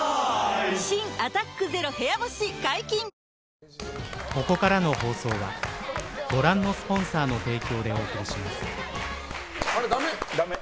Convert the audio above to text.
新「アタックＺＥＲＯ部屋干し」解禁‼あれ？